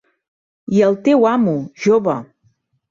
I el teu amo, jove!